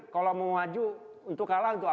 kalau mau maju untuk kalah untuk apa